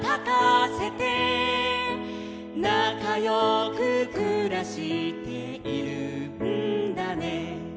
「なかよくくらしているんだね」